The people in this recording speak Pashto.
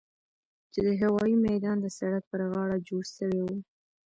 چې د هوايي ميدان د سړک پر غاړه جوړ سوي وو.